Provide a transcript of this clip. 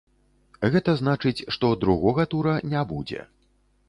Гэта значыць, што другога тура не будзе.